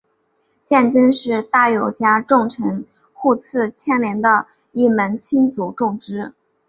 鉴贞是大友家重臣户次鉴连的一门亲族众之一。